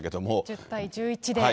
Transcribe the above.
１０対１１で。